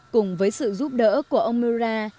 cùng với sự giúp đỡ của ông mura